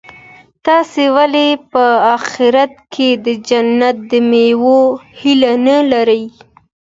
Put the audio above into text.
تاسي ولي په اخیرت کي د جنت د مېوو هیله نه لرئ؟